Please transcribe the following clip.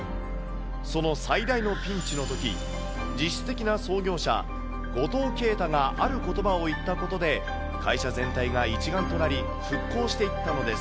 その最大のピンチのとき、実質的な創業者、五島慶太があることばを言ったことで、会社全体が一丸となり、復興していったのです。